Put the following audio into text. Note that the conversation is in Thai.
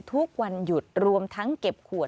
ทุกวันหยุดรวมทั้งเก็บขวด